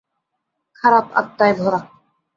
খারাপ আত্মায় ভরা।